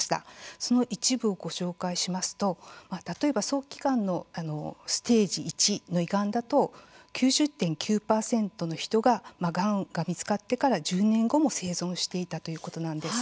その一部を紹介しますと例えば早期がんのステージ１の胃がんだと、９０．９％の人ががんが見つかってから１０年後も生存していたということなんです。